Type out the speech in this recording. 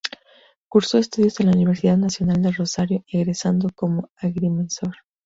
Cursó estudios en la Universidad Nacional de Rosario, egresando como agrimensor.